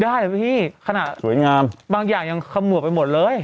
ได้หรือเปล่าพี่สวยงามสงใจบางอย่างยังขะมัวไปหมดเลย